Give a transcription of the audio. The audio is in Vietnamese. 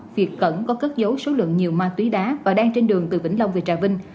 việt cẩn có cất dấu số lượng nhiều ma túy đá và đang trên đường từ vĩnh long về trà vinh